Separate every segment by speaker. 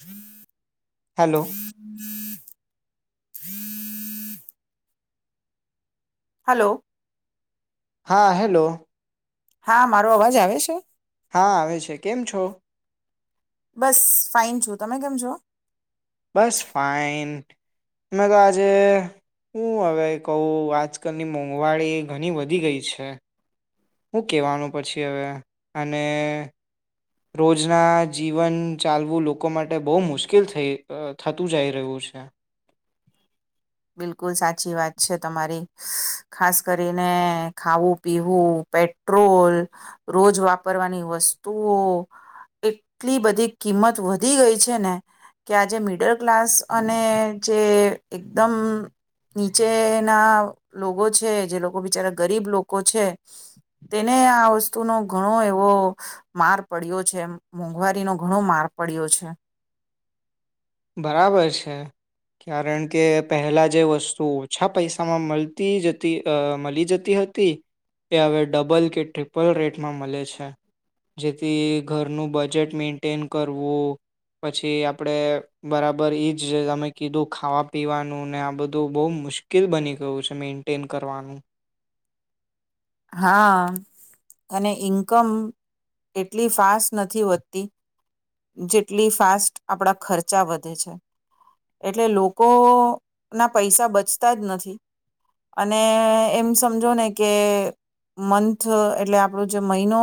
Speaker 1: હમ
Speaker 2: hello
Speaker 1: હમ હમ hello.
Speaker 2: હા hello.
Speaker 1: હા મારો અવાજ આવે છે?
Speaker 2: હા આવે છે. કેમ છો?
Speaker 1: બસ ફાઇન છું. તમે કેમ છો?
Speaker 2: બસ ફાઈન મેં તો આજે હું હવે કહું આજકાલની મોંઘવારી ઘણી વધી ગઈ છે. હું કેહેવાનું પછી હવે અને રોજના જીવન ચાલવું લોકો માટે બો મુશ્કેલ થઈ થતું જઈ રહ્યું છે.
Speaker 1: બિલકુલ સાચી વાત છે તમારી ખાસ કરીને ખાવું, પીવું પેટ્રોલ, રોજ વાપરવાની વસ્તુઓ, એટલી બધી કિંમત વધી ગઈ છે ને કે આજે મિડર ક્લાસ અને જે એક દમ નીચેના લોકો છે જે લોકો બિચારા ગરીબ લોકો છે. તેને આ વસ્તુનો ઘણો એવો માર પડ્યો છે મોંઘવારીનો ઘણો માર પડ્યો છે.
Speaker 2: બરાબર છે, કારણ કે પહેલા જે વસ્તુ ઓછા પૈસામાં મલતી જતી અ મળી જતી હતી એ હવે ડબલ કે ટ્રિપલ રેટમાં મળે છે જેથી ઘરનું બજેટ મેન્ટેન કરવું પછી આપણે બરાબર એ જ તમે કીધું ખાવા પીવાનું ને આ બધું બહુ મુશ્કેલ બની ગયું છે મેન્ટેન કરવાનું.
Speaker 1: હા અને ઇન્કમ એટલી ફાસ્ટ નથી વધતી જેટલી ફાસ્ટ આપણા ખર્ચા વધે છે. એટલે લોકો ના પૈસા બચતા જ નથી. અને એમ સમજો ને કે મંથ એટલે આપણો જે મહિનો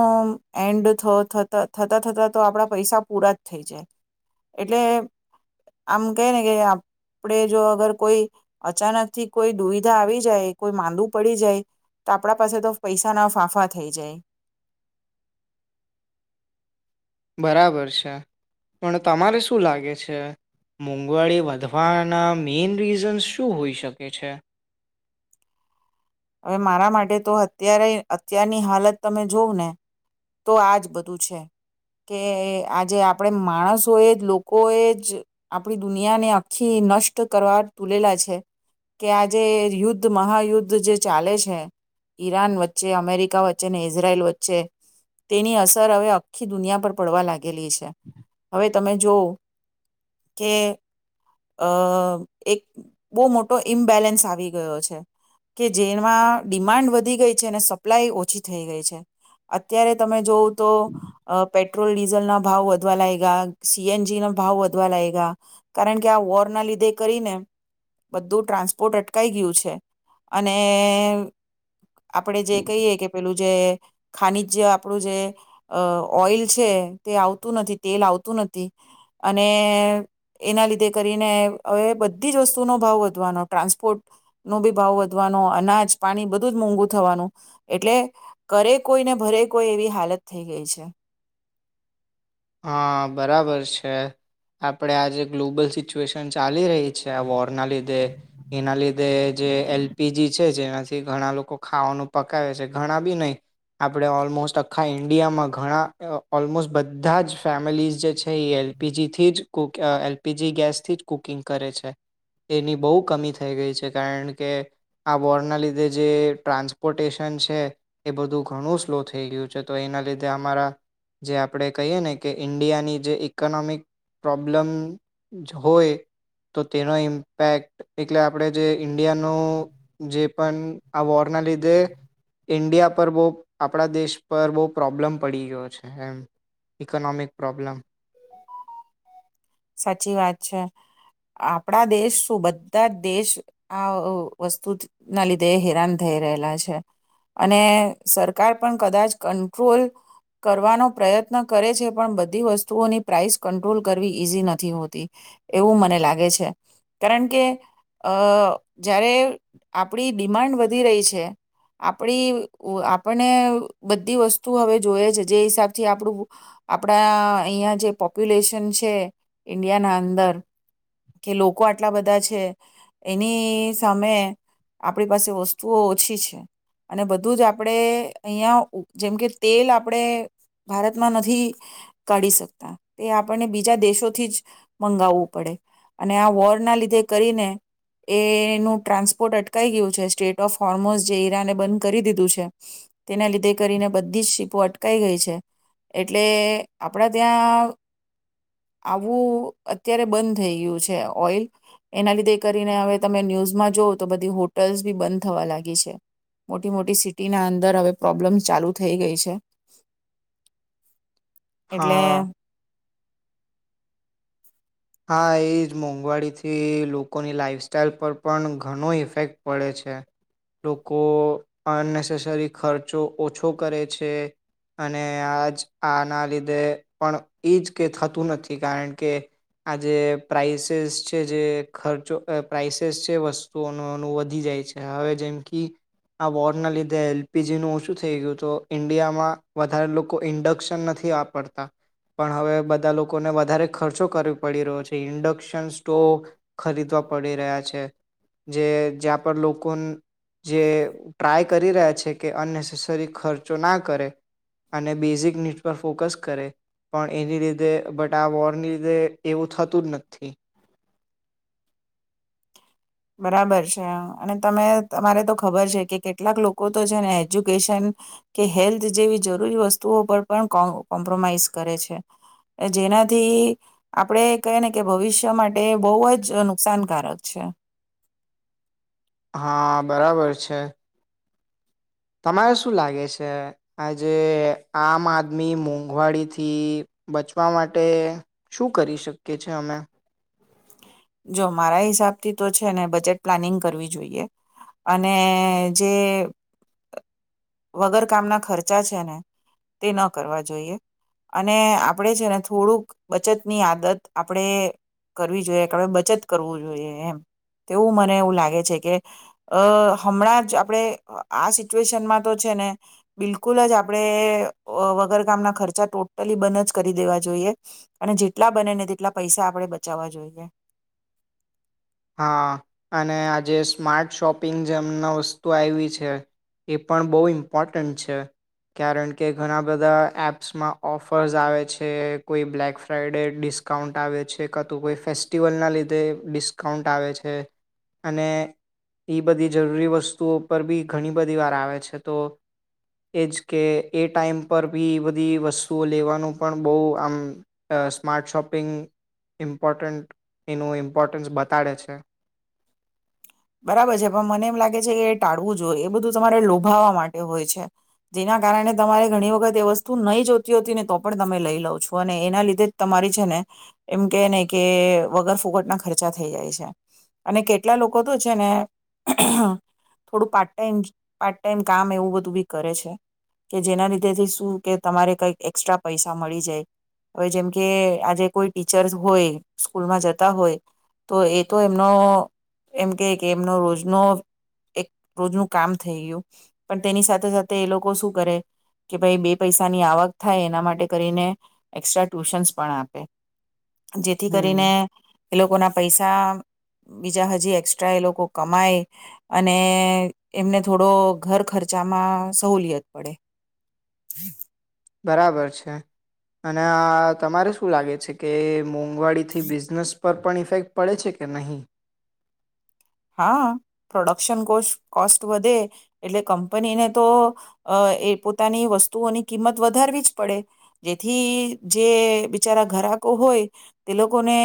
Speaker 1: એન્ડ થતા થતા તો આપડા પૈસા પૂરા જ થઈ જાય. એટલે આમ કે ને કે આપણે જો અગર કોઈ અચાનક થી કોઈ દુવિધા આવી જાય કોઈ માંદુ પડી જાય તો આપણા પાસે તો પૈસા ના ફાંફા થઈ જાય.
Speaker 2: બરાબર છે. પણ તમારે શું લાગે છે, મોંઘવારી વધવાના મેઈન રીઝન્સ શું હોઈ શકે છે?
Speaker 1: હવે મારા માટે તો અત્યારે અત્યારની હાલત તમે જોવં ને તો આજ બધું છે કે આજે આપણે માણસોએ જ લોકો એ જ આપડી દુનિયાને આખી નષ્ટ કરવા તુલેલા છે કે આજે યુદ્ધ મહાયુદ્ધ જે ચાલે છે. ઈરાન વચ્ચે, અમેરિકા વચ્ચે, ઈઝરાયલ વચ્ચે તેની અસર હવે આખી દુનિયા પર પડવા લાગેલી છે. હવે તમે જોવ કે અ એક બહુ મોટો ઈમ્બેલેન્સ આવી ગયો છે. કે જેમાં ડિમાન્ડ વધી ગઈ છે અને સપ્લાય ઓછી થઈ ગઈ છે. અત્યારે તમે જોવો તો અ પેટ્રોલ ડીઝલ ના ભાવ વધવા લાયગા, સી એન જી ના ભાવ વધવા લાયગા કારણ કે આ વોર ના લીધે કરીને બધું ટ્રાન્સપોર્ટ અટકાય ગયું છે. અને આપડે જે કહીએ કે પેલું જે ખનિજય આપણું જે ઓઈલ છે તે આવતું નથી, તેલ આવતું નથી અને એના લીધે કરીને હવે બધી જ વસ્તુનો ભાવ વધવાનો ટ્રાન્સપોર્ટ નો બી ભાવ વધ વા નો અનાજ પાણી બધું જ મોંઘું થવાનું એટલે કરે કોઈ ને ભરે કોઈ એવી હાલત થઈ ગઈ છે.
Speaker 2: હા બરાબર છે. આપડે આજે ગ્લોબલ સિચ્યુએશન ચાલી રહી છે વોર ના લીધે. એના લીધે જે એલ પી જી છે જેનાથી ઘણા લોકો ખાવાનું પકાવે છે ઘણા બી નય આપડે ઓલમોસ્ટ આખા ઈન્ડિયામાં ઘણા ઓલમોસ્ટ બ ધા જ ફેમિલીઝ જે છે એ એલ પી જી થી જ કુક અ એલ પી જી ગેસથી જ કૂકિંગ કરે છે એની બોવ કમી થઈ ગઈ છે કારણ કે આ વોરના લીધે જે ટ્રાન્સપોર્ટેશન છે એ બધું ઘણું સ્લો થઈ ગયું છે. તો એના લીધે અમારા જે આપ આપડે કહીએ ને કે ઈન્ડિયાની જે ઇકોનોમિક પ્રોબ્લમ જ હોય તો તેનો ઇમ્પેક્ટ એટલે આપણે જે ઈન્ડિયાનો જે પણ આ વોરના લીધે ઇન્ડિયા પર બો આપણા દેશ પર બો પ્રોબ્લમ પડી ગયો છે એમ. Economic problem.
Speaker 1: સાચી વાત છે આપણા દેશ શું બધા જ દેશ આ વસ્તુ ના લીધે હેરાન થઈ રહેલા છે. અને સરકાર પણ કદાચ કંટ્રોલ કરવાનો પ્રયત્ન કરે છે પણ બધી વસ તુઓની પ્રાઇસ કંટ્રોલ કરવી ઈઝી નથી હોતી એવું મને લાગે છે. કારણ કે અ જ્યારે આપણી ડિમાન્ડ વધી રહી છે આપણી આપણને બધી વસ્તુ હવે જોએ છે જે હિસાબથી આપણું આપણા અયા જે પોપ્યુલેશન છે ઈન્ડિયાના અંદર કે લોકો આટલા બધા છે એની સામે આપણી પાસે વસ્તુઓ ઓછી છે. અને બધું જ આપણે અહીંયા જેમકે તેલ આપણે ભારતમાં નથી કાઢી શકતા તે આપણને બીજા દેશોથી જ મંગાવવું પડે અને આ વોરના લીધે કરીને એનું ટ્રાન્સપોર્ટ અટકાય ગયું છે સ્ટેટ ઓફ હોર્મોસ જે ઈરાને બંધ કરી દીધું છે તેના લીધે કરીને બધી જ શીપો અટકાઈ ગઈ છે. એટલે આપણા ત્યાં આવું અત્યારે બંધ થઈ ગયું છે ઓઈલ એના લીધે કરીને હવે તમે ન્યૂઝમાં જોઓ તો બધી હોટલ્સ બી બંધ થવા લાગી છે. મોટી મોટી સિટીના અંદર હવે પ્રોબ્લેમ્સ ચાલુ થઈ ગઈ છે.
Speaker 2: હા
Speaker 1: એટલે
Speaker 2: હા એ જ મોંઘવારીથી લોકોની લાઈફસ્ટાઈલ પર પણ ઘણો ઇફેક્ટ પડે છે લોકો અનનેસેસરી ખર્ચો ઓછો કરે છે. અને આજ આના લીધે પણ એજ કે થતું નથી કારણ કે આ જે પ્રાઇસેસ છે જે ખર્ચો અ પ્રાઇસેસ છે વસ્તુઓનોનું વધી જાય છે હવે જેમ કે આ વોરના લીધે એલ પીજી નું ઓછું થઈ ગયું તો ઇન્ડિયામાં વધારે લોકો ઇન્ડક્શન નથી વાપરતા પણ હવે બધા લોકોને વધારે ખર્ચો કર પડી રહ્યો છે ઇન્ડક્શન સ્ટોવ ખરીદવા પડી રહ્યા છે જે જ્યાં પર લોકો જે ટ્રાય કરી રહ્યા છે કે અનનેસેસરી ખર્ચો ના કરે અને બેઝિક નીડ પર ફોકસ કરે પણ એની લીધે બટ આ વોરની લીધે એવું થતું જ નથી.
Speaker 1: બરાબર છે અને તમે તમારે તો ખબર છે કે કેટલાક લોકો તો છે ને એજ્યુકેશન કે હેલ્થ જેવી જરૂરી વસ્તુઓ પર પણ કો કોમ્પ્રોમાઈઝ કરે છે જેનાથી આપણે કહી ને કે ભવિષ્ય માટે બોવ જ નુકસાનકારક છે.
Speaker 2: હા બરાબર છે. તમારે શું લાગે છે આજે આમ આદમી મોંઘવારી થી બચવા માટે શું કરી શકીએ છે અમે.
Speaker 1: જો મારા હિસાબથી તો છે ને બજેટ પ્લાનિંગ કરવી જોઈએ અને જે વગર કામના ખર્ચા છે ને તે ન કરવા જોઈએ અને આપડે છે ને થોડુંક બચત ની આદત આપણેે કરવી જોઈએ. હવે બચત કરવું જોઈએ એમ તેવું મને એવું લાગે છે કે અ હમણાં જ આપણે આ સિચ્યુએશનમાં તો છે ને બિલકુલ જ આપણેે વગર કામના ખર્ચા ટોટલી બંધ જ કરી દેવા જોઈએ અને જેટલા બને ને તેટલા પૈસા આપણે બચાવવા જોઈએ.
Speaker 2: હા અને આજે સ્માર્ટ શોપિંગ જેમના વસ્તુ આવી છે એ પણ બહુ ઇમ્પોર્ટન્ટ છે કારણ કે ઘણા બધા એપ્સમાં ઓફર્સ આવે છે કોઈ બ્લેક ફ્રાઈડે ડિસ્કાઉન્ટ આવે છે કા તો કોઈ ફેસ્ટિવલના લીધે ડિસ ડિસ્કાઉન્ટ આવે છે. અને એ બધી જરૂરી વસ્તુઓ પર બી ઘણી બધી વાર આવે છે તો એ જ કે એ ટાઈમ પર બી એ બધી વસ્તુઓ લેવાનું પણ બોવ આમ સ્માર્ટ શોપિંગ ઇમ્પોર્ટન્ટ એનું ઇમ્પોર્ટન્સ બ તાળે છે.
Speaker 1: બરાબર છે પણ મને એમ લાગે છે કે ટાળવું જોઈએ એ બધું તમારે લોભાવા માટે હોય છે જેના કારણે તમારે ઘણી વખત એ વસ્તુ નહી જોતી હોતી ને તો પણ તમે લઈ લ છો અને એના લીધે જ તમારી છે ને એમ કે ને કે વગર ફુકટના ખર્ચા થઈ જાય છે. અને કેટલા લો કો તો છે ને થોડું પાર્ટ ટાઈમ પાર્ટ ટાઈમ કામ એવું બધું બી કરે છે કે જેના લીધેથી શું કે તમારે કઈક એક્સ્ટ્રા પૈસા મળી જાય. હવે જેમકે આજે કોઈ ટીચર હોય સ્કૂલમાં જતા હોય તો એ તો એમનો એમ કે કે એમનો રોજનો એક રોજનું કામ થઈ ગયું પણ તેની સાથે સાથે એ લોકો શું કરે કે ભાઈ બે પૈસાની આવક થાય એના માટે કરીને એક્સ્ટ્રા ટ્યુશન્સ પણ આપે. જેથી
Speaker 2: હમ
Speaker 1: કરીને એ લોકો ના પૈય [unintelligible] બીજા હ જી એસ્ટ્રા એ લોકો કમાય અને એમને થોડો ઘર ખર્ચામાં સહુલિયત પડે.
Speaker 2: બરાબર છે. અને આ તમારે શું લાગે છે કે મો વાળીથી બિઝનેસ પર પણ ઇફેક્ટ પડે છે કે નહીં?
Speaker 1: હા, પ્રોડક્શન કોસ કોસ્ટ વધે એટલે કંપનીને તો એ પોતાની વસ્તુઓની કિંમત વધારવી જ પડે. જેથી જે બિચારા ઘરાકો હોય તે લોકોને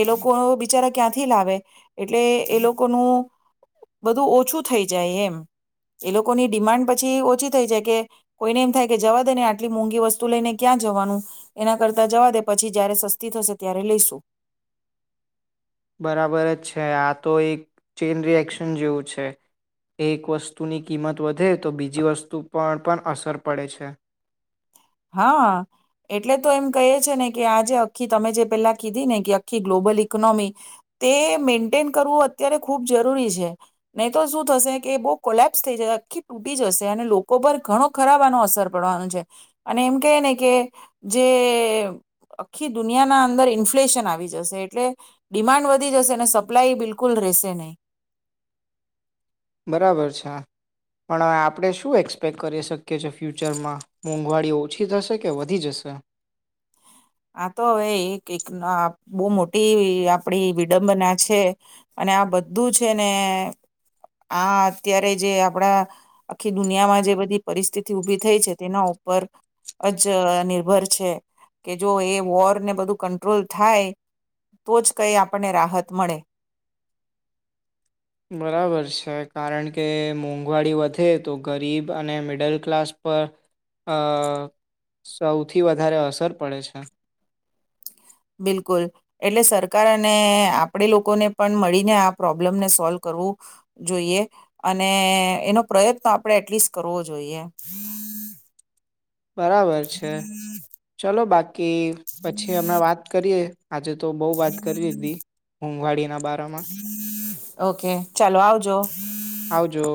Speaker 1: એ લોકો બિચારા ક્યાંથી લાવે. એટલે એ લોકોનું બધું ઓછું થઈ જાય એમ એ લોકોની ડિમાન્ડ પછી ઓછી થઈ જાય કે, કોઈને એમ થાય કે જવા દે ને આટલી મોંઘી વસ્તુ લઈને ક્યાં જવાનું એના કરતા જવા દે પછી જયારે સસ્તી થશે ત્યારે લઈશું.
Speaker 2: બરાબર જ છે. આ તો એક ચેન રિએક્શન જેવું છે. એક વસ્તુની કિંમત વધે તો બીજી વસ્તુ પર પણ અસર પડે છે.
Speaker 1: હા, એટલે તો એમ કહીએ છે ને કે આ જે અખી તમે જે પેલા કીધી ને કે અખી ગ્લોબલ ઇકોનોમી તે મેન્ટેન કરવું અત્યારે ખૂબ જરૂરી છે. નહી તો શું થશે કે બો કોલેપ્સ થઈ જહે. આખી તૂટી જશે અને લોકો પર ઘણો ખરાબ આનો અસર પડવાનો છે. અને એમ કઈએ ને કે જે આખી દુનિયાના અંદર ઇન્ફ્લેશન આવી જશે એટલે ડિમાન્ડ વધી જશે અને સપ્લાય બિલકુલ રહેશે નહી.
Speaker 2: બરાબર છે, પણ હવે આપણે શું એક્સપેક કરી શકીએ છે ફ્યુચરમાં મોંઘવારીઓ ઓછી થશે કે વધી જશે?
Speaker 1: આ તો અવે એક એક ના બો મોટી આપડી વિડંબના છે અને આ બધું છે ને આ અત્યારે જે આપણા આખી દુનિયામાં જે બધી પરિસ્થિતિ ઊભી થઈ છે તેના ઉપર જ નિર્ભર છે. કે જો એ વોરને બધું કંટ્રોલ થાય તો જ કઈ આપણને રાહત મળે.
Speaker 2: બરાબર છે, કારણ કે મોંઘવારી વધે તો ગરીબ અને મિડલ ક્લાસ પર અ સૌથી વધારે અસર પડે છે.
Speaker 1: બિલકુલ એટલે સરકાર અને આપણે લોકોને પણ મળીને આ પ્રોબ્લમને સોલ્વ કરવું જોઈએ અને એનો પ્રયત્ન તો આપણે એટલીસ્ટ કરવો જોઈએ.
Speaker 2: બરાબર છે ચલો બા કી, પછી હમણાં વાત કરીએ. આજે તો બો વાત કરી લીધી મોંઘવાડીના બારામાં.
Speaker 1: ઓકે! ચાલો આવજો.
Speaker 2: આવજો.